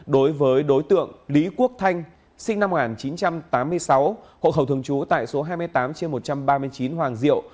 đối với đối tượng lý quốc thanh sinh năm một nghìn chín trăm tám mươi sáu hộ khẩu thường trú tại số hai mươi tám một trăm ba mươi chín hoàng diệu